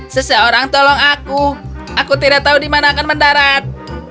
seseorang tolong aku aku tidak tahu di mana akan mendarat